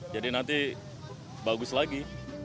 jadi nanti bagus lagi